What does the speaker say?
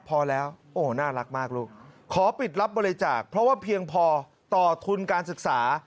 พอแล้วโอ้น่ารักมากลูกขอปิดรับบริจาคเพราะว่าเพียงพอต่อทุนการศึกษา